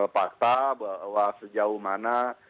fakta bahwa sejauh mana